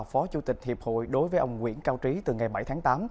phó chủ tịch hiệp hội đối với ông nguyễn cao trí từ ngày bảy tháng tám